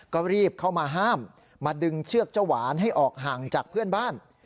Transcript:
ก็รีบเข้ามาห้ามมาดึงเชือกเจ้าหวานให้ออกห่างจากเพื่อนบ้าน